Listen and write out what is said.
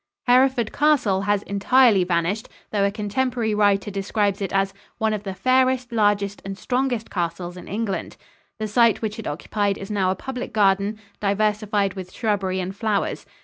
Hereford Castle has entirely vanished, though a contemporary writer describes it as "one of the fairest, largest, and strongest castles in England." The site which it occupied is now a public garden, diversified with shrubbery and flowers.